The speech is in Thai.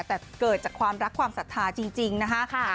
แต่เกิดจากความรักความศรัทธาจริงนะคะ